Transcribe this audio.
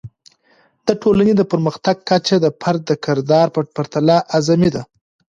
د ټولنې د پرمختګ کچه د فرد د کردار په پرتله اعظمي ده.